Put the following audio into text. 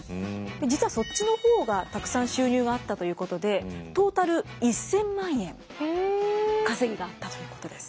実はそっちの方がたくさん収入があったということでトータル１，０００万円稼ぎがあったということです。